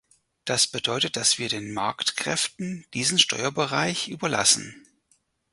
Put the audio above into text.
Das bedeutet, dass wir den Marktkräften diesen Steuerbereich überlassen.